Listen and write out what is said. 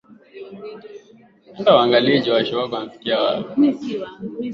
katika gazeti hili lina picha moja katika ukurasa wake wa ishirini na tatu